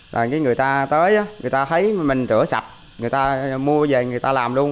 rồi cái người ta tới người ta thấy mình rửa sạch người ta mua về người ta làm luôn